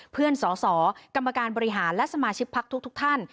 เพื่อนสอสอกรรมการบริหารและสมาชิกพักทุกท่าน